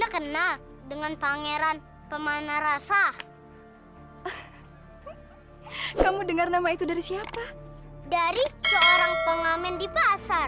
kena dengan pangeran pemanah rasa kamu dengar nama itu dari siapa dari seorang pengamen di pasar